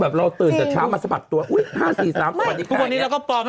แบบเราเตินแต่เช้ามาสะปัดตัวอุ้ยห้าสี่สามคุณพวกนี้เราก็ปลอม